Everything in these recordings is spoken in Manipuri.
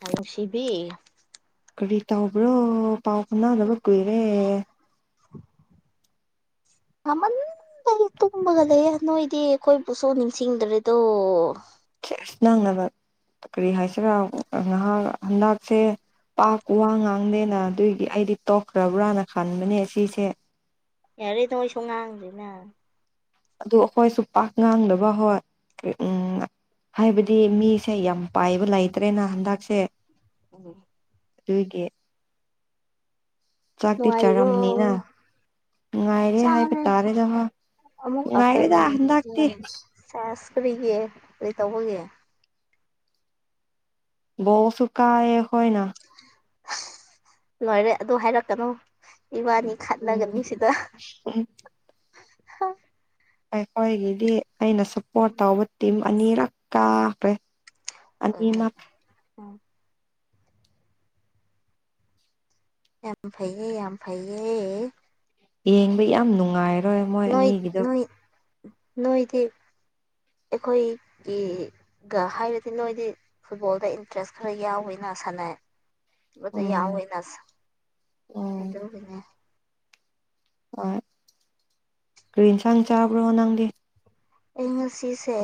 ꯍ ꯅꯨꯡꯁꯤꯕꯤ ꯀꯔꯤ ꯇꯥꯎꯕ꯭ꯔꯣ ꯄꯥꯎ ꯐꯥꯎꯅꯕ ꯀꯨꯏꯔꯦ [inaudible] ꯃꯃꯟꯗ ꯍꯦꯛꯇꯨꯝꯕꯒ ꯂꯩ ꯅꯣꯏꯗꯤ ꯑꯩꯈꯣꯏꯕꯨꯁꯨ ꯅꯤꯡꯁꯤꯡꯗ꯭ꯔꯦꯗꯣ ꯁ ꯅꯪꯅꯕ ꯀꯔꯤ ꯍꯥꯏꯁꯤꯔꯥ ꯉꯍꯥꯛ ꯍꯟꯗꯛꯁꯦ ꯄꯥꯛ ꯋꯥ ꯉꯥꯡꯗꯦꯅ ꯑꯗꯨꯏꯒꯤ ꯑꯩꯗꯤ ꯇꯣꯛꯈ꯭ꯔꯕ꯭ꯔꯥꯅ ꯈꯟꯕꯅꯦ ꯁꯤꯁꯦ ꯌꯥꯔꯦꯗꯣ ꯑꯩꯁꯨ ꯉꯥꯡꯗꯦꯅ ꯑꯗꯨ ꯑꯩꯈꯣꯏꯁꯨ ꯄꯥꯛ ꯉꯥꯡꯗꯕ ꯍꯣꯏ ꯎꯝ ꯍꯥꯏꯕꯗꯤ ꯃꯤꯁꯦ ꯌꯥꯝ ꯄꯥꯏꯕ ꯂꯩ ꯇ꯭ꯔꯦꯅ ꯍꯟꯗꯛꯁꯦ ꯎꯝ ꯑꯗꯨꯒꯤ ꯆꯥꯛꯇꯤ ꯅꯨꯡꯉꯥꯏꯔꯤꯕꯣ ꯆꯥꯔꯝꯅꯤꯅ ꯅꯨꯡꯉꯥꯏꯔꯦ ꯍꯥꯏꯕ ꯆꯔꯦ ꯇꯥꯔꯦꯗ ꯍꯣꯏ ꯑꯃꯨꯛ ꯅꯨꯡꯉꯥꯏꯔꯦꯗ ꯑꯞꯇꯔꯅꯨꯟꯒꯤ ꯍꯟꯗꯛꯇꯤ [unintelligible] ꯆꯦꯁ ꯀꯔꯤꯒꯤ ꯀꯔꯤ ꯇꯧꯕꯒꯤ ꯕꯣꯜꯁꯨ ꯀꯥꯔꯦ ꯑꯈꯣꯏꯅ ꯂꯣꯏꯔꯦ ꯑꯗꯨ ꯍꯥꯏꯔꯛꯀꯅꯣ ꯏꯕꯥꯅꯤ ꯑꯣꯝ ꯈꯠꯅꯒꯅꯤ ꯁꯤꯗ ꯍꯝ ꯑꯩꯈꯣꯏꯒꯤꯗꯤ ꯑꯩꯅ ꯁꯄꯣꯔꯠ ꯇꯧꯕ ꯇꯤꯝ ꯑꯅꯤꯔꯛ ꯀꯥꯈ꯭ꯔꯦ ꯍꯣꯏ ꯍꯣꯏ ꯑꯅꯤꯃꯛ ꯌꯥꯝ ꯐꯩꯌꯦ ꯌꯥꯝ ꯐꯩꯌꯦ ꯌꯦꯡꯕ ꯌꯥꯝ ꯅꯨꯡꯉꯥꯏ ꯅꯣꯏ ꯅꯣꯏ ꯅꯣꯏꯗꯤ ꯑꯩꯈꯣꯏꯒꯤ ꯒ ꯍꯥꯏꯔꯗꯤ ꯅꯣꯏꯗꯤ ꯐꯨꯠꯕꯣꯜꯗ ꯏꯟꯇꯔꯦꯁ ꯈꯔ ꯌꯥꯎꯋꯤꯅ ꯁꯥꯟꯅ ꯑꯗ ꯎꯝ ꯌꯥꯎꯋꯦꯅꯁ ꯎꯝ ꯑꯗꯨꯒꯤꯅꯦ ꯑꯣꯏ ꯀꯔꯤ ꯌꯦꯟꯁꯥꯡ ꯆꯥꯕ꯭ꯔꯣ ꯅꯪꯗꯤ ꯑꯩ ꯉꯁꯤꯁꯦ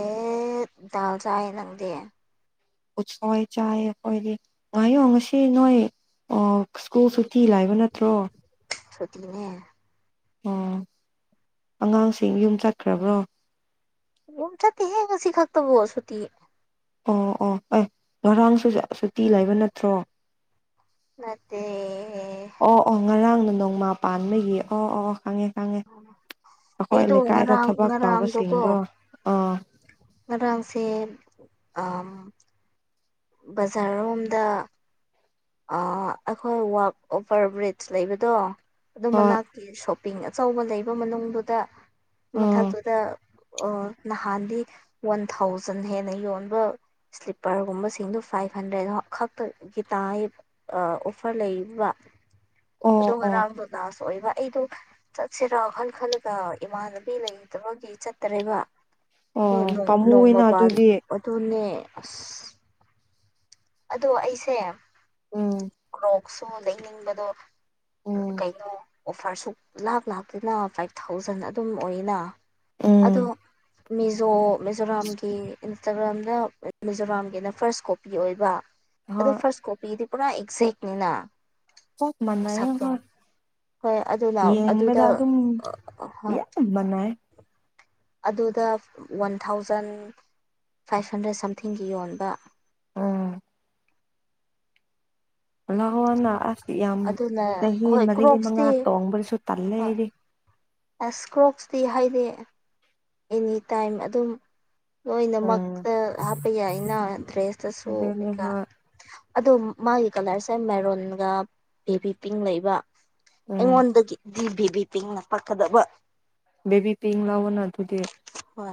ꯗꯥꯜ ꯆꯥꯏꯌꯦ ꯅꯪꯗꯤ ꯎꯠꯁꯣꯏ ꯆꯥꯏꯌꯦ ꯑꯩꯈꯣꯏꯗꯤ ꯉꯥꯏꯌꯣ ꯉꯁꯤ ꯅꯣꯏ ꯑꯣ ꯁ꯭ꯀꯨꯜ ꯁꯨꯨꯊꯤ ꯂꯥꯏꯕ ꯅꯠꯇ꯭ꯔꯣ ꯁꯣꯇꯤꯅꯦ ꯑꯣ ꯑꯉꯥꯡꯁꯤꯡ ꯌꯨꯝ ꯆꯠꯈ꯭ꯔꯕ꯭ꯔꯣ ꯌꯨꯝ ꯆꯠꯇꯦꯍꯦ ꯉꯁꯤ ꯈꯛꯇꯕꯣ ꯁꯨꯇꯤ ꯑꯣ ꯑꯣ ꯑꯦ ꯉꯔꯥꯡꯁꯨ ꯁꯨꯇꯤ ꯂꯩꯕ ꯅꯠꯇ꯭ꯔꯣ ꯅꯠꯇꯦ ꯍꯦ ꯑꯣ ꯑꯣ ꯉꯔꯥꯡꯅ ꯅꯣꯡꯃꯥ ꯄꯥꯟꯕꯒꯤ ꯑꯣ ꯑꯣ ꯈꯪꯉꯦ ꯈꯪꯉꯦ ꯑꯈꯣꯏ ꯑꯩꯗꯣ ꯂꯩꯀꯥꯏꯗ ꯉꯔꯥꯡ ꯊꯕꯛ ꯉꯔꯥꯡꯗꯣꯀꯣ ꯇꯧꯕꯁꯤꯡꯗꯣ ꯑꯥ ꯉꯔꯥꯡꯁꯦ ꯑꯝ ꯕꯖꯥꯔꯔꯣꯝꯗ ꯑ ꯑꯈꯣꯏ ꯋꯥꯛ ꯑꯣꯚꯔ ꯕ꯭ꯔꯤꯖ ꯂꯩꯕꯗꯣ ꯑꯗꯨ ꯍꯣꯏ ꯃꯅꯥꯛ ꯀꯔꯤ ꯁꯣꯞꯄꯤꯡ ꯑꯆꯧꯕ ꯂꯩꯕ ꯃꯅꯨꯡꯗꯨꯗ ꯎꯝ ꯃꯊꯛꯇꯨꯗ ꯑꯣ ꯅꯍꯥꯟꯗꯤ ꯋꯥꯟꯊꯥꯎꯖꯟ ꯍꯦꯟꯅ ꯌꯣꯟꯕ ꯁ꯭ꯂꯤꯞꯄꯔꯒꯨꯝꯕ ꯁꯤꯡꯗꯣ ꯐꯥꯏꯚ ꯍꯟꯗ꯭ꯔꯦꯗ ꯈꯛꯇꯒꯤ ꯇꯥꯏ ꯑ ꯑꯣꯐꯔ ꯂꯩꯔꯤꯕ ꯑꯗꯣ ꯑꯣ ꯑꯣ ꯉꯔꯥꯡꯗꯣ ꯂꯥꯁ ꯑꯣꯏꯕ ꯑꯩꯗꯣ ꯆꯠꯁꯤꯔꯣ ꯋꯥꯈꯜ ꯈꯜꯂꯒ ꯏꯃꯥꯟꯅꯕꯤ ꯂꯩꯇꯕꯒꯤ ꯆꯠꯇꯥꯔꯦꯕ ꯑꯗꯣ ꯑꯣ ꯅꯣꯡ ꯄꯥꯝꯃꯨꯏꯅ ꯅꯣꯡꯃꯄꯥꯟ ꯑꯗꯨꯗꯤ ꯑꯗꯨꯅꯦ ꯑꯁ ꯑꯗꯣ ꯑꯩꯁꯦ ꯎꯝ ꯃꯨꯛꯁꯨ ꯂꯩꯅꯤꯡꯕꯗꯣ ꯎꯝ ꯀꯩꯅꯣ ꯑꯣꯐꯔ ꯁꯨꯛꯂꯥꯛ ꯂꯥꯛꯇꯦꯅ ꯐꯥꯏꯚ ꯊꯥꯎꯖꯟ ꯑꯗꯨꯝ ꯑꯣꯏꯅ ꯑꯗꯣ ꯎꯝ ꯃꯤꯖꯣ ꯃꯤꯖꯣꯔꯥꯝꯒꯤ ꯏꯟꯁꯇꯥꯒ꯭ꯔꯥꯝꯗ ꯃꯤꯖꯣꯔꯥꯝꯒꯤꯅ ꯐꯥꯔꯁ ꯀꯣꯄꯤ ꯑꯣꯏꯕ ꯑꯗꯣ ꯍꯣꯏ ꯐꯥꯔꯁ ꯀꯣꯄꯤꯗꯤ ꯄꯨꯔꯥ ꯑꯦꯛꯖꯦꯛꯅꯤꯅ ꯆꯞ ꯃꯥꯟꯅꯩ ꯃꯁꯛꯇꯣ ꯍꯣꯏ ꯍꯣꯏ ꯑꯗꯨ ꯂꯥꯎ ꯑꯗꯨꯗ ꯍꯣꯏ ꯃꯅꯥꯏ ꯑꯗꯨꯗ ꯋꯥꯟ ꯊꯥꯎꯖꯟ ꯐꯥꯏꯚ ꯍꯟꯗ꯭ꯔꯦꯠ ꯁꯝꯊꯤꯡꯒꯤ ꯌꯣꯟꯕ ꯎꯝ ꯂꯧꯍꯧꯑꯣꯅ ꯑꯁ ꯌꯥꯝ ꯑꯗꯨꯅ ꯆꯍꯤ ꯍꯣꯏ ꯃꯔꯤ ꯃꯉꯥ ꯀ꯭ꯔꯣꯛꯁꯇꯤ ꯇꯣꯡꯕꯗꯁꯨ ꯇꯜꯂꯦ ꯍꯣꯏ ꯑꯩꯗꯤ ꯑꯁ ꯀ꯭ꯔꯣꯛꯁꯇꯤ ꯍꯥꯏꯗꯤ ꯑꯦꯅꯤ ꯇꯥꯏꯝ ꯑꯗꯨꯝ ꯎꯝ ꯂꯣꯏꯅꯃꯛꯇ ꯍꯥꯞꯄ ꯌꯥꯏꯅ ꯗ꯭ꯔꯦꯁꯇꯁꯨꯨ ꯑꯗꯨꯅꯦ ꯀꯩꯀꯥ ꯍꯣꯏ ꯑꯗꯣ ꯃꯥꯒꯤ ꯀꯂꯔꯁꯦ ꯃꯦꯔꯨꯟꯒ ꯕꯦꯕꯤꯄꯤꯡ ꯂꯩꯕ ꯎꯝ ꯑꯩꯉꯣꯟꯗꯒꯤꯗꯤ ꯕꯦꯕꯤꯄꯤꯡꯅ ꯄꯛꯀꯗꯕ ꯕꯦꯕꯤꯄꯤꯡ ꯂꯧꯑꯣꯅ ꯑꯗꯨꯗꯤ ꯍꯣꯏ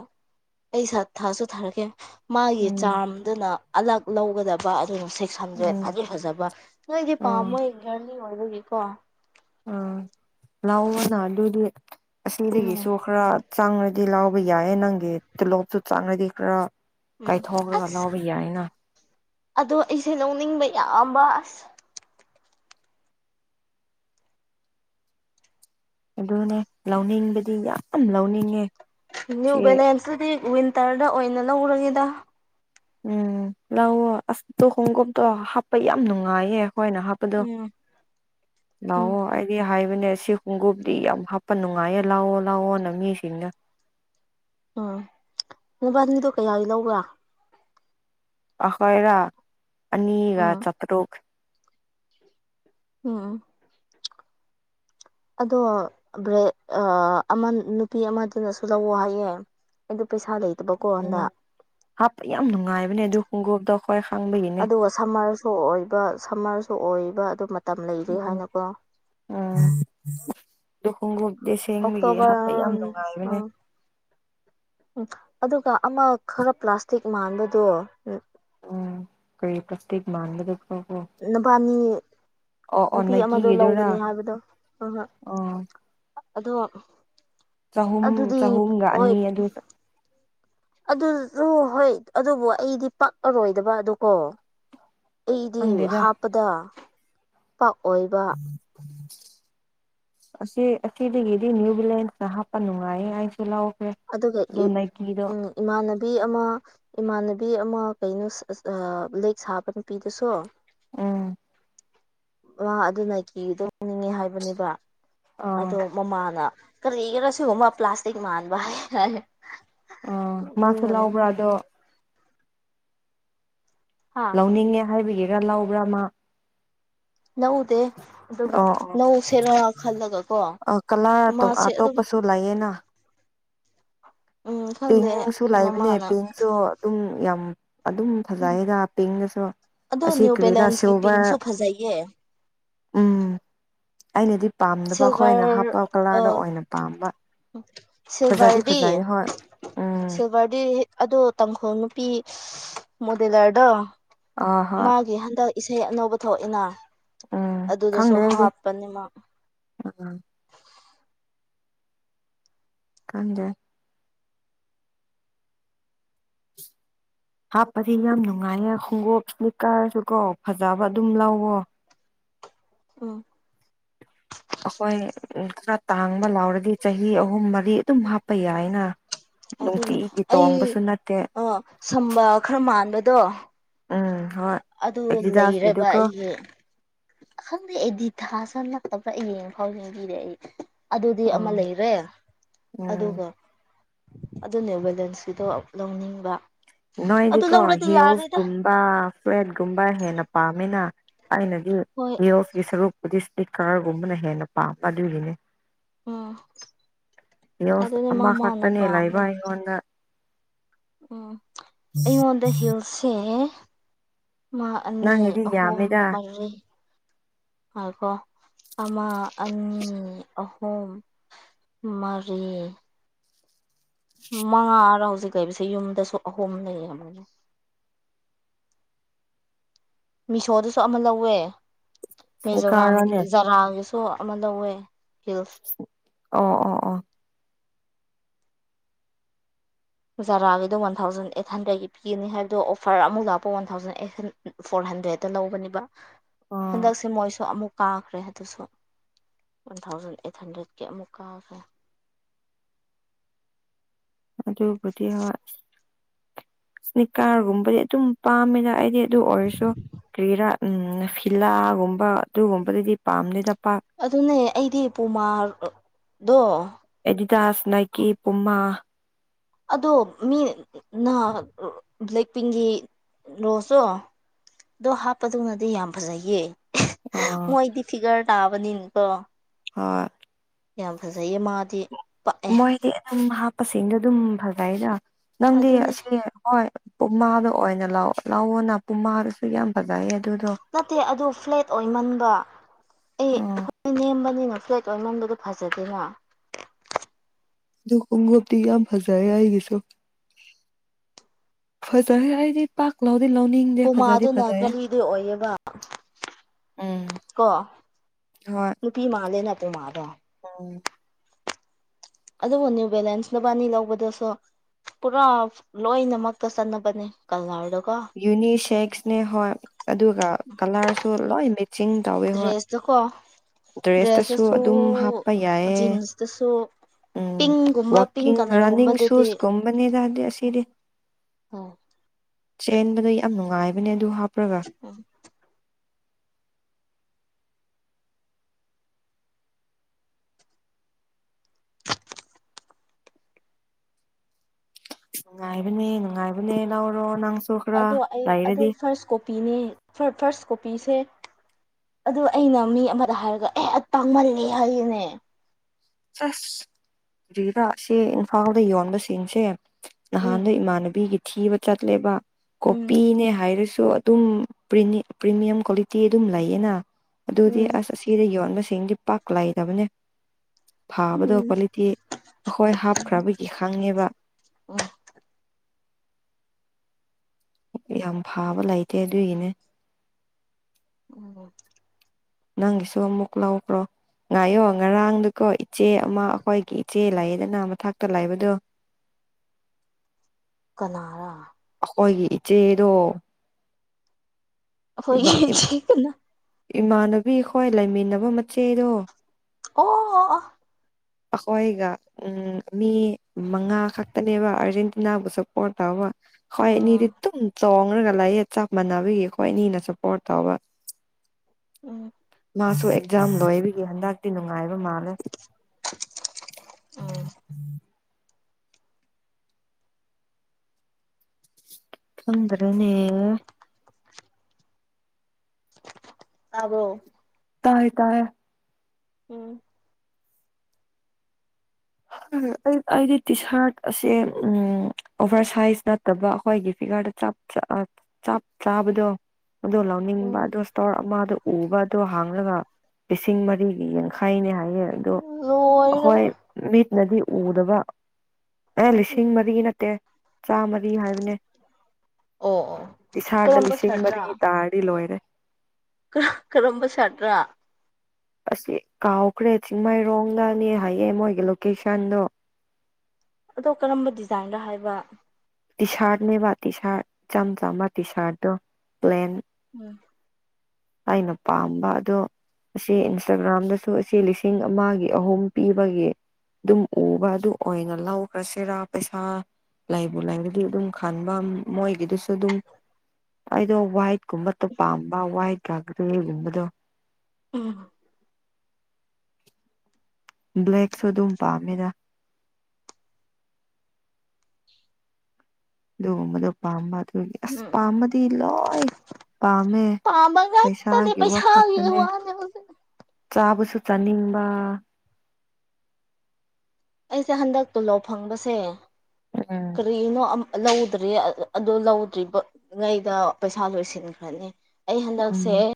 ꯑꯩꯁꯛ ꯊꯥꯁꯨ ꯊꯥꯔꯛꯀꯦ ꯃꯥꯒꯤ ꯎꯝ ꯆꯥꯔꯝꯗꯨꯅ ꯑꯜꯂꯛ ꯂꯧꯒꯗꯕ ꯑꯗꯨꯒ ꯁꯤꯛꯁ ꯍꯟꯗ꯭ꯔꯦꯠ ꯎꯝ ꯐꯗꯤ ꯐꯖꯕ ꯅꯣꯏꯗꯤ ꯑꯥ ꯄꯥꯝꯃꯣꯏ ꯒꯥꯔꯂꯤ ꯑꯣꯏꯕꯒꯤꯀꯣ ꯎꯝ ꯂꯧꯑꯣꯅ ꯑꯗꯨꯗꯤ ꯎꯝ ꯑꯁꯤꯗꯒꯤꯁꯨ ꯈꯔ ꯆꯥꯡꯉꯗꯤ ꯂꯥꯎꯕ ꯌꯥꯏꯌꯦ ꯅꯪꯒꯤ ꯇꯂꯣꯞꯇꯣ ꯆꯥꯡꯉꯗꯤ ꯈꯔ ꯎꯝ ꯀꯥꯏꯊꯣꯛꯂꯒ ꯑꯁ ꯂꯧꯕ ꯌꯥꯏꯅ ꯑꯗꯣ ꯑꯩꯁꯦ ꯂꯧꯅꯤꯡꯕ ꯌꯥꯝꯕ ꯑꯁ ꯑꯗꯨꯅꯦ ꯂꯧꯅꯤꯡꯕꯗꯤ ꯌꯥꯝ ꯂꯧꯅꯤꯡꯉꯦ ꯅ꯭ꯌꯨ ꯁꯤ ꯕꯦꯂꯦꯟꯁꯇꯨꯗꯤ ꯋꯤꯟꯇꯔꯗ ꯑꯣꯏꯅ ꯂꯧꯔꯒꯦꯗ ꯎꯝ ꯂꯧꯑꯣ ꯑꯁꯇꯣ ꯈꯣꯡꯀꯣꯞꯇꯣ ꯍꯥꯞꯄ ꯌꯥꯝ ꯅꯨꯡꯉꯥꯏꯌꯦ ꯑꯩꯈꯣꯏꯅ ꯍꯥꯞ ꯑꯗꯣ ꯎꯝ ꯎꯝ ꯂꯧꯑꯣ ꯑꯩ [unintelligible] ꯍꯥꯏꯕꯅꯦ ꯁꯤ ꯈꯣꯡꯎꯞꯗꯤ ꯌꯥꯝ ꯍꯥꯞꯄ ꯅꯨꯡꯉꯥꯏꯌꯦ ꯂꯥꯎꯑꯣ ꯂꯥꯎꯑꯣꯅ ꯃꯤꯁꯤꯡꯅ ꯑꯥ ꯃꯣꯕꯥꯟꯅꯤꯗꯣ ꯀꯌꯥꯒꯤ ꯂꯧꯕ꯭ꯔꯥ ꯑꯈꯣꯏꯔ ꯑꯅꯤꯒ ꯎꯝ ꯆꯞꯄꯗꯣꯛ ꯎꯝ [inaudible] ꯑꯗꯣ ꯕꯂꯦꯛ ꯑ ꯑꯃ ꯅꯨꯄꯤ ꯑꯃꯗꯨꯅꯁꯨ ꯂꯧꯋꯣ ꯍꯥꯏꯌꯦ ꯑꯗꯨ ꯄꯩꯁꯥ ꯂꯩ ꯎꯝ ꯍꯥꯞꯄ ꯌꯥꯝ ꯅꯨꯡꯉꯥꯏꯕꯅꯦ ꯑꯗꯨ ꯈꯣꯡꯒꯨꯞꯇꯣ ꯑꯩꯈꯣꯏ ꯈꯪꯕꯒꯤꯅꯦ ꯑꯗꯨꯒ ꯁꯝꯃꯔꯁꯨ ꯑꯣꯏꯕ ꯁꯝꯃꯔꯁꯨ ꯑꯣꯏꯕ ꯑꯗꯨ ꯃꯇꯝ ꯂꯩꯔꯤ ꯎꯝ ꯍꯥꯏꯅꯀꯣ ꯎꯝ ꯑꯗꯨ ꯈꯣꯡꯒꯨꯞꯇꯤ ꯁꯦꯡꯕꯒꯤ ꯑꯣꯛꯇꯣꯕꯔ ꯍꯥꯞꯄ ꯌꯥꯝ ꯅꯨꯡꯉꯥꯏꯕꯅꯦ ꯎ ꯑꯗꯨꯒ ꯑꯃ ꯈꯔ ꯄ꯭ꯂꯥꯁꯇꯤꯛ ꯃꯥꯟꯕꯗꯣ ꯎꯝ ꯀꯩ ꯄꯁꯇꯤꯛ ꯃꯥꯥꯟꯕꯗꯀꯣ ꯅꯨꯄꯥꯅꯤ ꯅꯨꯄꯤ ꯑꯃꯗꯣ ꯅꯥꯏꯀꯤꯒꯤꯗꯨꯔꯥ ꯂꯧꯒꯅꯤ ꯍꯥꯏꯕꯗꯣ ꯍꯣꯏ ꯍꯣꯏ ꯑꯣ ꯑꯗꯣ ꯆꯍꯨꯝ ꯑꯗꯨꯗꯤ ꯆꯍꯨꯝꯒ ꯍꯣꯏ ꯑꯅꯤ ꯑꯗꯨ ꯑꯗꯨꯖꯨ ꯍꯣꯏ ꯑꯗꯨꯕꯨ ꯑꯩꯗꯤ ꯄꯛꯑꯔꯣꯏꯗꯕ ꯑꯗꯨ ꯀꯣ ꯑꯩꯗꯤ ꯈꯪꯗꯦꯗ ꯍꯥꯞꯄꯗ ꯄꯥꯛ ꯑꯣꯏꯕ ꯎꯝꯝ ꯑꯁꯤ ꯑꯁꯤꯗꯒꯤꯗꯤ ꯅ꯭ꯌꯨ ꯕꯤꯂꯦꯟꯁꯅ ꯍꯥꯞꯄ ꯅꯨꯡꯉꯥꯏꯌꯦ ꯍꯥꯏꯁꯨ ꯂꯧꯈ꯭ꯔꯦ ꯑꯗꯨꯒ ꯑꯗꯣ ꯅꯥꯏꯀꯤꯗꯣ ꯏꯃꯥꯟꯅꯕꯤ ꯑꯃ ꯏꯃꯥꯟꯅꯕꯤ ꯑꯃ ꯀꯩꯅꯣ ꯂꯤꯛ ꯁꯥꯕ ꯅꯨꯄꯤꯗꯨꯁꯨ ꯎꯝ ꯑꯗꯨꯅ ꯀꯤꯗꯅꯤꯡꯉꯤ ꯍꯥꯏꯕꯅꯦꯕ ꯑꯥ ꯑꯗꯣ ꯃꯃꯥꯅ ꯀꯔꯤꯒꯤꯔ ꯁꯤꯒꯨꯝꯕ ꯄ꯭ꯂꯥꯁꯇꯛ ꯃꯥꯟꯕ ꯑ ꯃꯥꯁꯨ ꯅꯣꯛꯅꯤꯡꯕꯅꯦ ꯂꯧꯕ꯭ꯔꯥ ꯑꯗꯣ ꯍꯥ ꯂꯧꯅꯤꯡꯉꯦ ꯍꯥꯏꯕꯒꯤꯔ ꯂꯧꯕ꯭ꯔꯥ ꯑꯃ ꯂꯧꯗꯦ ꯑꯗꯨꯕꯨ ꯑꯣ ꯅꯧ ꯁꯦꯔ ꯈꯜꯂꯒꯀꯣ ꯑꯣ ꯀꯂꯔ ꯃꯥꯁꯦ ꯑꯗꯨꯝ ꯑꯇꯣꯞꯄꯁꯨ ꯂꯩꯌꯦꯅ ꯎꯝ ꯈꯪꯗꯦ ꯄꯤꯡꯁꯨ ꯂꯩꯥꯕꯅꯦ ꯃꯃꯥꯅ ꯄꯤꯡꯁꯨ ꯑꯗꯨꯝ ꯌꯥꯝ ꯑꯗꯨꯝ ꯎꯝ ꯐꯖꯩꯗ ꯄꯤꯡꯗꯁꯨ ꯑꯗꯣ ꯑꯁꯤ ꯅ꯭ꯌꯨ ꯀꯔꯤꯔꯥ ꯕꯦꯂꯦꯟꯁꯀꯤ ꯁꯤꯚꯔ ꯄꯤꯡꯁꯨ ꯐꯖꯩꯌꯦ ꯎꯝ ꯑꯩꯅꯗꯤ ꯄꯥꯝꯗꯕ ꯑꯩꯈꯣꯏꯅ ꯁꯤꯜꯚꯔ ꯍꯥꯞꯄ ꯀꯂꯔꯗ ꯑꯥ ꯑꯣꯏꯅ ꯄꯥꯝꯕ ꯐꯖꯗꯤ ꯁꯤꯜꯚꯔꯗꯤ ꯐꯖꯩ ꯍꯣꯏ ꯎꯝ ꯁꯤꯜꯚꯔꯗꯤ ꯑꯗꯣ ꯇꯥꯡꯈꯣꯜ ꯅꯨꯄꯤ ꯃꯣꯗꯤꯂꯔꯗꯣ ꯑꯥ ꯍꯣꯏ ꯃꯥꯒꯤ ꯍꯟꯗꯛ ꯏꯁꯩ ꯑꯅꯧꯕ ꯊꯣꯛꯏꯅ ꯎꯝ ꯑꯗꯨꯗꯁꯨ ꯈꯪꯗꯦ ꯑꯩꯗꯤ ꯍꯥꯞꯄꯅꯦ ꯃꯥ ꯈꯪꯗꯦ ꯍꯥꯞꯄꯗꯤ ꯌꯥꯝ ꯅꯨꯡꯉꯥꯏꯌꯦ ꯈꯣꯡꯎꯣꯞ ꯏꯁꯂꯤꯛꯀꯔꯁꯨ ꯀꯣ ꯐꯖꯕ ꯑꯗꯨꯝ ꯂꯧꯋꯣ ꯎꯝ ꯑꯩꯈꯣꯏ ꯈꯔ ꯇꯥꯡꯕ ꯂꯧꯔꯗꯤ ꯆꯍꯤ ꯑꯍꯨꯝ ꯃꯔꯤ ꯑꯗꯨꯝ ꯍꯥꯞꯄ ꯌꯥꯏꯅ ꯅꯨꯡꯒꯤ ꯇꯣꯣꯡꯕꯁꯨꯅꯠꯇꯦ ꯑ ꯁꯝꯕ ꯈꯔ ꯃꯥꯟꯕꯗꯣ ꯎꯝ ꯍꯣꯏ ꯑꯗꯨ ꯂꯩꯔꯦꯕ ꯑꯦꯗꯤꯗꯥꯁꯀꯤꯗꯨꯀꯣ ꯑꯩꯒꯤ ꯈꯪꯗꯦ ꯑꯩꯗꯤ ꯊꯥꯁ ꯅꯛꯇꯕ꯭ꯔꯥ ꯌꯦꯡ ꯐꯥꯎ ꯌꯦꯡꯕꯤꯔꯦ ꯑꯩ ꯑꯗꯨꯗꯤ ꯑꯃ ꯎꯝ ꯂꯩꯔꯦ ꯎꯝ ꯑꯗꯨꯒ ꯑꯗꯨꯅꯦꯕꯕꯨꯂꯦꯟꯁꯀꯤꯗꯣ ꯂꯧꯅꯤꯡꯕ ꯅ ꯑꯂꯤ ꯑꯗꯨ ꯀꯣ ꯂꯧꯔꯗꯤ ꯍꯦ ꯑꯣꯐ ꯌꯥꯔꯦꯗ ꯄꯥ ꯐ꯭ꯂꯦꯠꯀꯨꯝꯕ ꯍꯦꯟꯅ ꯄꯥꯝꯃꯤꯅ ꯑꯩꯅꯗꯤ ꯍꯣꯏ ꯕꯤꯌꫭꯁ ꯒꯤ ꯁꯔꯨꯛꯄꯨꯗꯤ ꯏꯁꯄꯤꯀꯔꯒꯨꯝꯕꯅ ꯍꯦꯟꯅ ꯄꯥꯝꯕ ꯑꯗꯨꯒꯤꯅꯤ ꯎꯝ ꯌꯣꯁ ꯑꯗꯨꯅꯦ ꯃꯥ ꯑꯃ ꯃꯥꯅ ꯈꯛꯇꯅꯦ ꯂꯩꯕ ꯄꯥꯝꯕ ꯑꯩꯉꯣꯟꯗ ꯎꯝ ꯑꯩꯉꯣꯟꯗ ꯍꯤꯜꯁꯦ ꯃꯥ ꯑꯅꯤ ꯅꯪꯒꯤꯗꯤ ꯑꯍꯨꯝ ꯌꯥꯝꯃꯤꯗ ꯃꯔꯤ ꯉꯥꯏꯈꫭ ꯑꯃ ꯑꯅꯤ ꯑꯍꯨꯝ ꯃꯔꯤ ꯃꯉꯥꯔ ꯍꯧꯖꯤꯛ ꯂꯩꯕꯁꯦ ꯌꯨꯝꯗꯁꯨ ꯑꯍꯨꯝ ꯂꯩꯌꯦꯕ ꯃꯤꯁꯣꯗꯁꯨ ꯑꯃ ꯂꯧꯋꯦ ꯃꯤꯖꯣꯔꯥꯝꯒꯤ ꯀꯥꯔꯣꯅꯦ ꯖꯥꯔꯥꯒꯤꯁꯨ ꯁꯣ ꯑꯃ ꯂꯧꯋꯦ ꯍꯤꯜꯁ ꯑꯣ ꯑꯣ ꯑꯣ ꯖꯥꯔꯥꯒꯤꯗꯣ ꯋꯥꯟ ꯊꯥꯎꯖꯟ ꯑꯩꯠ ꯍꯟꯗ꯭ꯔꯦꯠꯀꯤ ꯄꯤꯅꯤ ꯍꯥꯏꯕꯗꯣ ꯑꯣꯐꯔ ꯑꯃꯨꯛ ꯂꯥꯛꯄ ꯋꯥꯟ ꯊꯥꯎꯖꯟ ꯑꯩꯠ ꯍ ꯐꯣꯔ ꯍꯟꯗ꯭ꯔꯦꯗꯠꯇ ꯂꯧꯕꯅꯦꯕ ꯑꯣ ꯍꯟꯗꯛꯁꯦ ꯃꯣꯏꯁꯨ ꯑꯃꯨꯛ ꯀꯥꯈ꯭ꯔꯦ ꯑꯗꯨꯁꯨ ꯋꯥꯟ ꯊꯥꯎꯖꯟ ꯑꯩꯠ ꯍꯟꯗ꯭ꯔꯦꯗꯀꯤ ꯑꯃꯨꯛ ꯀꯥꯈ꯭ꯔꯦ ꯑꯗꯨꯕꯨꯗꯤ ꯍ ꯏꯁꯅꯤꯀꯥꯔꯒꯨꯝꯕꯗꯤ ꯑꯗꯨꯝ ꯄꯥꯝꯃꯦꯗ ꯑꯩꯗꯤ ꯑꯗꯨ ꯑꯣꯏꯔꯁꯨ ꯀꯔꯥꫪ ꯎ ꯐꯤꯂꯥꯒꯨꯝꯕ ꯑꯗꯨꯒꯨꯝꯕꯗꯗꯤ ꯄꯥꯝꯗ‌ꯦꯗ ꯄꯥꯛ ꯑꯗꯨꯅꯦ ꯑꯩꯗꯤ ꯄꯨꯃꯥꯔꯗꯣ ꯑꯦꯗꯤꯗꯥꯁ ꯅꯥꯏꯀꯤ ꯄꯨꯃꯥ ꯑꯗꯣ ꯃꯤꯅ ꯕ꯭ꯂꯦꯛ ꯄꯤꯡꯒꯤ ꯂꯣꯁꯇꫭ ꯑꯣꯗꫭ ꯍꯥꯞꯄꯗꯨꯅꯗꯤ ꯌꯥꯝ ꯐꯖꯩꯌꯦ ꯑ ꯃꯣꯏꯗꯤ ꯐꯤꯒꯔ ꯇꯥꯕꯅꯤꯅꯀꯣ ꯍꯣꯏ ꯌꯥꯝ ꯐꯖꯩꯌꯦ ꯃꯥꯗꯤ ꯄꯛꯑꯦ ꯃꯣꯏꯗꯤ ꯑꯗꯨꯝ ꯍꯥꯞꯄꯁꯤꯡꯗꯣ ꯑꯗꯨꯝ ꯐꯖꯩꯗ ꯅꯪꯗꯤ ꯑꯗꯨꯅꯦ ꯑꯁꯤ ꯍꯣꯏ ꯄꯨꯃꯥꯗꯣ ꯑꯣꯏꯅ ꯂꯥꯎ ꯂꯧꯔꯅ ꯄꯨꯃꯥꯗꯨꯁꯨ ꯌꯥꯝ ꯐꯖ ꯅꯠꯇꯦ ꯑꯗꯨ ꯐ꯭ꯂꯦꯠ ꯑꯣꯏꯃꯟꯕ ꯑꯩ ꯑꯥ ꯅ ꯅꯦꯝꯕꯅꯤꯅ ꯐ꯭ꯂꯦꯠ ꯑ‌ꫭꯏꯃꯟꯕꯗꯨ ꯐꯖꯗꯦꯅ ꯗꯨ ꯀꯨꯝꯒꯕꯗꯤ ꯌꯥꯝ ꯐꯖꯥꯏ ꯑꯩꯒꯤꯁꯨ ꯐꯖꯔꯦ ꯑꯩꯗꯤ ꯄꯥꯛ ꯂꯧꯎꯗꯤ ꯂꯧꯅꯤꯡ ꯄꯨꯃꯥꯗꯨꯅ ꯀꯥꯂꯤꯗꯤ ꯑꯣꯏꯌꯦꯕ ꯎꯝ ꯀꯣ ꯍꯣꯏ ꯅꯨꯄꯤ ꯃꯥꯜꯂꯦꯅ‌ꯦ ꯄꯨꯃꯥꯗꫭ ꯑꯝ ꯑꯗꯨꯕꯨꯅ‌ꯦ ꯕꯦꯂꯦꯟꯁ ꯅꯕꯥꯅꯤ ꯂꯧꯕꯗꯁꯨ ꯄꯨꯔꯥ ꯂꯣꯏꯅꯃꯛꯇ ꯆꯠꯅꯕꯅꯦ ꯀꯜꯂꯔꯗꫭꯀꯣ ꯌꯨꯅꯤ ꯁꯦꯛꯁꯅꯦ ꯍꯣꯏ ꯑꯗꯨꯒ ꯀꯂꯔꯁꯨ ꯂꯣꯏ ꯃꯤꯛ ꯗ꯭ꯔꯦꯁꯇꯨ ꯀꯣ ꯗ꯭ꯔꯦꯁꯇꯁꯨ ꯗ꯭ꯔꯦꯇꯨꯁꯨ ꯑꯗꯨꯝ ꯍꯥꯞꯄ ꯌꯥꯏꯌꯦ ꯖꯤꯟꯁꯇꯨꯁꯨ ꯎꯝ ꯄꯤꯡꯒꯨꯝꯕ ꯄꯤꯡ ꯀꯂꯔꯒꯨꯝꯕꯗꯨꯗꯤ ꯕꯅꯤꯗ ꯑꯨ ꯑꯁꯤꯗꯤ ꯑꯣ ꯆꯦꯟꯕꯗꯣ ꯌꯥꯝ ꯅꯨꯡꯉꯥꯏꯕꯅꯦ ꯑꯗꯨ ꯍꯥꯞꯄꫪꯒ ꯎꯝ ꯅꯨꯡꯉꯥꯏꯕꯅꯦ ꯅꯨꯡꯉꯥꯏꯕꯅꯦ ꯂꯧꯔꯣ ꯅꯪꯁꯨ ꯈꯔ ꯑꯗꯣ ꯑꯩ ꯑꯗꯣ ꯂꯩꯔꯗꯤ ꯐꯥꯔꯁ ꯀꯣꯄꯤꯅꯦ ꯐꯥꯔꯁ ꯀꯣꯄꯤꯁꯦ ꯑꯗꯨ ꯑꯩꯅ ꯃꯤ ꯑꯃꯗ ꯍꯥꯏꯔꯒ ꯑꯦ ꯇꯥꯡꯃꯜꯂꯦ ꯍꯥꯏꯌ‌ꯦꯅꯦ ꯆꯁ ꯗꯤꯗ ꯁ‌ꯦꯟꯐꯥꯎꯗ ꯌꯣꯟꯕꯁꯤꯡꯁꯦ ꯅꯍꯥꯟꯗꯣ ꯎꯝ ꯏꯃꯥꯟꯅꯕꯤꯒꯤ ꯊꯤꯕ ꯆꯠꯂꯦꯕ ꯎꯝ ꯀꯣꯄꯤꯅꯦ ꯍꯥꯏꯔꯁꯨ ꯑꯗꯨꯝ ꯄ‍꯭ꯔꯤꯅ‌ꯦ ꯄ꯭ꯔꯤꯅ‌ꯦꯝ ꯀ꯭ꯋꯥꯂꯤꯇꯤ ꯑꯗꯨꯝ ꯂꯩꯌꯦꯅ ꯑꯗꯨꯗꯤ ꯎꯝ ꯑꯁ ꯑꯁꯤ ꯇꯤꯗ ꯌꯣꯟꯕꯁꯤꯡꯗꯤ ꯄꯥꯛ ꯂꯩꯇꯕꯅꯤ ꯐꯥꯕꯗꯣ ꯎꯝ ꯀ꯭ꯋꯥꯂꯤꯇꯤ ꯑꯩꯈꯣꯏ ꯍꯥꯞꯈ꯭ꯔꯕꯒꯤ ꯈꯪꯉꯦꯕ ꯋꯥ ꯌꯥꯝ ꯐꯥꯕ ꯂꯩꯇꯦ ꯑꯗꯨꯏꯒꯤꯅꯦ ꯎꯝ ꯅꯪꯒꯤꯁꯨ ꯑꯃꯨꯛ ꯂꯧꯕ꯭ꯔꯣ ꯉꯥꯏꯌꯣ ꯉꯔꯥꯡꯗꯨ ꯀꯣ ꯏꯆꯦ ꯑꯃ ꯑꯩꯈꯣꯏꯒꯤ ꯏꯆꯦ ꯂꯥꯏꯌꯦꯗꯅ ꯃꯊꯛ ꯛꯇꯂꯥꯏꯕꯗꯣ ꯀꯅꯥꯔꯥ ꯑꯩꯈꯣꯏꯒꯤ ꯏꯆꯦꯗꯣ ꯑꯩꯈꫭꯏꯒꯤ ꯏꯃꯥꯟꯅꯕꯤ ꯍꯣꯏ ꯂꯩꯃꯤꯟꯅꯕ ꯃꯆꯦꯗꯣ ꯑꯣ ꯑꯩꯈꯣꯏꯒ ꯎꯝ ꯃꯤ ꯃꯉꯥ ꯈꯛꯇꯅꯦꯕ ꯑꯥꯔꯖꯦꯟꯇꯤꯅꯥꯕꯨ ꯁꯄꯣꯔꯠ ꯇꯧꯕ ꯑꯩꯈꫭꯏ ꯑꯅꯤꯗꯤ ꯇꯨꯝ ꯆꯣꯡꯉꯔꯒ ꯂꯥꯏꯌꯦ ꯆꯞ ꯃꯥꯟꯅꯕꯤ ꯑꯩꯈꫭꯏ ꯑꯅꯤꯅ ꯁꯄꯣꯔꯠ ꯇꯧꯕ ꯎꯝ ꯃꯥꯁꯨ ꯑꯦꯛꯖꯥꯝ ꯂꯣꯏꯕꯒꯤ ꯍꯟꯗꯛꯇꯤ ꯅꯨꯡꯉꯥꯏꯕ ꯃꯥꯜꯂꯦ ꯎꯝ ꯈꯗ꯭ꯔꯦꯅꯦ ꯑꯕꯣ ꯇꯥꯏ ꯇꯥꯏꯌꯦ ꯎꯝ ꯑꯩ ꯑꯩꯒꯤ ꯇꯤ ꯁꯥꯔꯠ ꯑꯁꯦ ꯎꯝ ꯑꯣꯚꯔ ꯁꯥꯏꯖ ꯅꯠꯇꯕ ꯑꯩꯈꯣꯏꯒꯤ ꯐꯤꯒꯔꯗ ꯆꯞ ꯆꯥꯕꯗꯣ ꯑꯗꯨ ꯂꯧꯅꯤꯡꯕ ꯎꯝ ꯑꯗꯨ ꯇꯧꯔ ꯃꯥꯗꯣ ꯎꯕꯗꯣ ꯍꯥꯡꯂꯒ ꯂꯤꯁꯤꯡ ꯃꯔꯤꯒꯤ ꯌꯥꯡꯈꯩꯅꯤ ꯍꯥꯏꯌꯦ ꯑꯗꯣ ꯑꯩꯈꯣꯏ ꯂꯣꯏꯔꯦꯍꯦ ꯃꯤꯠꯅꯗꯤ ꯎꯗꯕ ꯑꯦ ꯂꯤꯁꯤꯡ ꯎꯝ ꯃꯔꯤ ꯅꯠꯇꯦ ꯆꯥꯝꯃꯔꯤ ꯍꯥꯏꯕꯅꯦ ꯑꯣ ꯑꯣ ꯏꯁꯥꯔꯗ ꯀꯔꯝꯕ ꯂꯤꯁꯤꯡ ꯃꯔꯤ ꯁꯥꯔꯠꯔꯥ ꯇꯥꯔꯗꯤ ꯂꯣꯏꯔꯦ ꯔꯣꯝꯕ ꯆꯠꯥ ꯑꯁꯤ ꯀꯥꯎꯈ꯭ꯔꯦ ꯆꯤꯡꯃꯥꯏꯔꯣꯡꯗꯅꯦ ꯍꯥꯏꯌꯦ ꯃꯣꯏꯒꯤ ꯂꯣꯀꯦꯁꯟꯗꯣ ꯑꯗꯣ ꯀꯔꯝꯕ ꯗꯤꯖꯥꯏꯟꯗ ꯍꯥꯏꯕ ꯇꯤꯤꯁꯥꯔꯠꯅꯦꯕ ꯇꯤ ꯁꯥꯔꯠ ꯏꯆꯝ ꯆꯝꯕ ꯇꯤꯤꯁꯥꯔꯠꯇꯣ ꯄ꯭ꯂꯦꯟ ꯎꯝ ꯑꯩꯅ ꯄꯥꯝꯕ ꯑꯗꯨꯗꯣ ꯑꯁꯤ ꯏꯟꯁꯇꯥꯒ꯭ꯔꯥꯝꯗꯁꯨ ꯑꯁꯤ ꯂꯤꯁꯤꯡ ꯑꯃꯒꯤ ꯑꯍꯨꯝ ꯄꯤꯕꯒꯤ ꯑꯗꯨꯝ ꯎꯕ ꯑꯗꯨ ꯑꯣꯏꯅ ꯂꯧꯈ꯭ꯔꯁꯤꯔꯥ ꯄꯩꯁꯥ ꯂꯥꯏꯕꯨ ꯂꯥꯏꯗꯗꯤ ꯑꯗꯨꯝ ꯈꯕ ꯃꯣꯏꯒꯤꯗꯨꯁꯨ ꯑꯗꯨꯝ ꯑꯩꯗꯣ ꯋꯥꯏꯠꯀꯨꯝꯕꯇꯣ ꯄꯥꯝꯕ ꯋꯥꯏꯠꯀ ꯒ꯭ꯔꯦꯒꯨꯝꯕꯗꯣ ꯎꯝ ꯕ꯭ꯂꯦꯛꯁꯨ ꯑꯗꯨꯝ ꯄꯥꯝꯃꯤꯅ ꯑꯗꯨꯗ ꯄꯥꯝꯕ ꯑꯗꯨ ꯎꯝ ꯑꯁ ꯎꯝ ꯄꯥꯝꯕꯗꯤ ꯂꯣꯏ ꯄꯥꯝꯃꯦ ꯄꯥꯝꯕ ꯉꯥꯛꯇꯅꯦ ꯄꯩꯁꯥꯒꯤ ꯄꯩꯁꯥꯒꯤ ꯋꯥꯈꯛꯇꯅꯦ ꯋꯥꯅꯦ ꯍꯧꯖꯤꯛ ꯆꯥꯕꯁꯨ ꯆꯥꯅꯤꯡꯕ ꯑꯩꯁꯦ ꯍꯟꯗꯛ ꯇꯨꯜꯂꯧ ꯐꯪꯕꯁꯦ ꯎ ꯀꯔꯤꯅꯣ ꯂꯧꯗ꯭ꯔꯔꯤ ꯑꯗꯣ ꯂꯧꯗ꯭ꯔꯤꯕ ꯉꯩꯗ ꯄꯩꯁꯥ ꯂꯣꯏꯁꯤꯟꯈ꯭ꯔꯅꯤ ꯑꯩ ꯍꯟꯗꯛꯁꯦ